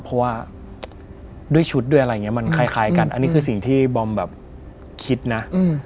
เพราะว่าด้วยชุดด้วยอะไรอย่างนี้มันคล้ายกันอันนี้คือสิ่งที่บอมแบบคิดนะ